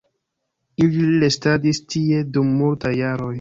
Ili restadis tie dum multaj jaroj.